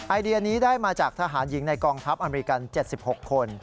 ไอเดียนี้ได้มาจากทหารหญิงในกองทัพอเมริกัน๗๖คน